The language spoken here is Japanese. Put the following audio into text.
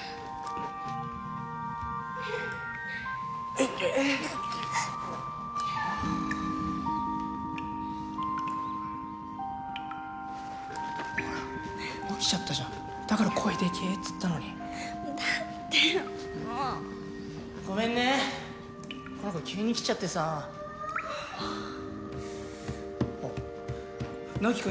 ・・えっえっ嫌っほら起きちゃったじゃんだから声でけぇっつったのにだってもうごめんねこの子急に来ちゃってさあっ直己くん